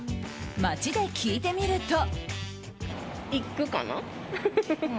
街で聞いてみると。